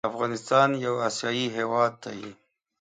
افغانستان يو اسياى هيواد دى